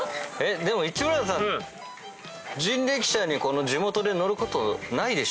でも市村さん人力車に地元で乗ることないでしょ？